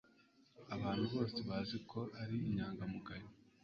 Abantu bose bazi ko ari inyangamugayo